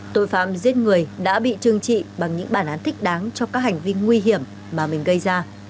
tội phạm giết người đã bị trương trị bằng những bản án thích đáng cho các hành vi nguy hiểm mà mình gây ra